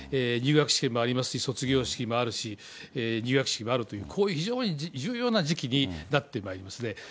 入学試験もありますし、卒業式もありますし、入学式もあるという、こういう非常に重要な時期になってまいりますよね。